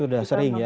sudah sering ya